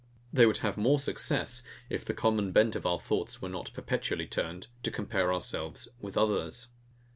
They would have more success, if the common bent of our thoughts were not perpetually turned to compare ourselves with others.